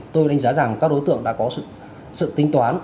tôi đánh giá rằng các đối tượng đã có sự tính toán